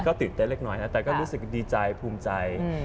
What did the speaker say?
ก็ตื่นเต้นเล็กน้อยนะแต่ก็รู้สึกดีใจภูมิใจ